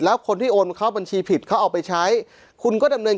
แล้วคนที่โอนเข้าบัญชีผิดเขาเอาไปใช้คุณก็ดำเนิน